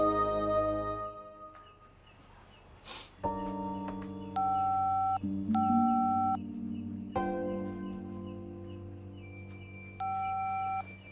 jangan ada sisi bapak